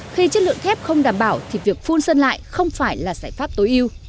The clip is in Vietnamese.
khi chất lượng thép không đảm bảo thì việc phun sân lại không phải là giải pháp tối ưu